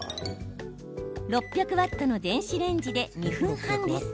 ６００ワットの電子レンジで２分半です。